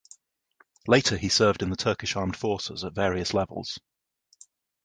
Later he served in the Turkish Armed Forces at various levels.